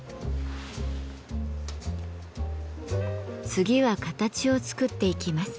次は形を作っていきます。